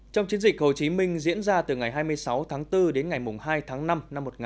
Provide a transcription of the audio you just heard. trong chiến dịch hồ chí minh diễn ra từ ngày hai mươi sáu tháng bốn đến ngày hai tháng năm năm một nghìn chín trăm bốn mươi năm